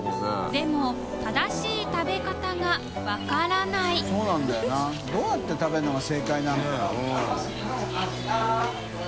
磴任正しい食べ方が分からない修Δ覆鵑世茲どうやって食べるのが正解なのか。